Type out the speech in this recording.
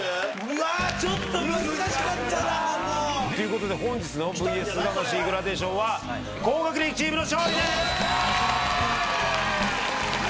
うわちょっと難しかったな。ということで本日の『ＶＳ魂』グラデーションは高学歴チームの勝利です！